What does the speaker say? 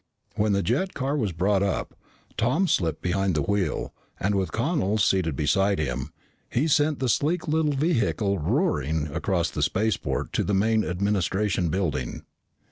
When the jet car was brought up, Tom slipped behind the wheel, and with Connel seated beside him, he sent the sleek little vehicle roaring across the spaceport to the main administration building.